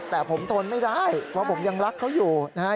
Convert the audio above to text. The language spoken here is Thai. แต่ผมทนไม่ได้เพราะผมยังรักเขาอยู่นะฮะ